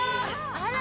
あら！